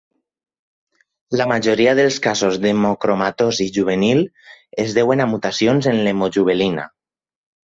La majoria dels casos d'hemocromatosi juvenil es deuen a mutacions en l'hemojuvelina.